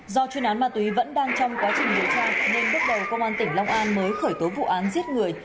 do chuyên án ma túy vẫn đang trong quá trình điều tra nên bước đầu công an tỉnh long an mới khởi tố vụ án giết người